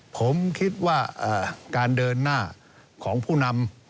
ผมคิดว่าการเดินหน้าของผู้นำ